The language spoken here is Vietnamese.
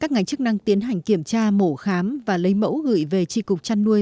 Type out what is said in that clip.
các ngành chức năng tiến hành kiểm tra mổ khám và lấy mẫu gửi về tri cục chăn nuôi